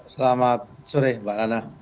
selamat sore mbak nana